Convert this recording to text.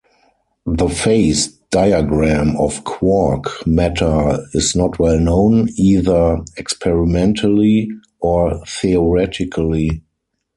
The phase diagram of quark matter is not well known, either experimentally or theoretically.